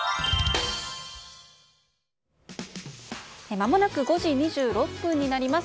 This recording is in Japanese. まもなく５時２６分になります。